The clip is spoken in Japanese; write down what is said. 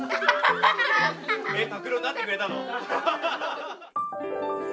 えっ拓郎になってくれたの？